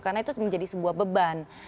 karena itu menjadi sebuah beban